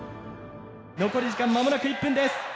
残り時間間もなく１分です。